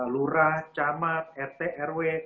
lurah camat rt rw